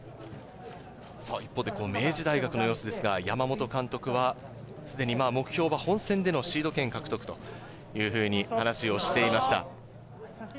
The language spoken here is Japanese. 一方で明治大学の様子ですが、山本監督は、すでに目標は本戦でのシード権獲得というふうに話をしていました。